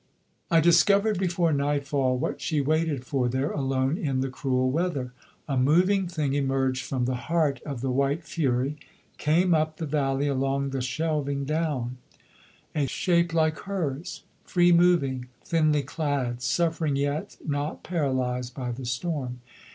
I discovered before nightfall what she waited for there alone in the cruel weather. A moving thing emerged from the heart of the white fury, came up the valley along the shelving down: a shape like hers, free moving, thinly clad, suffering yet not paralysed by the storm.